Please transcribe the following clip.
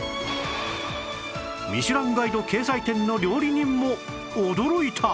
『ミシュランガイド』掲載店の料理人も驚いた！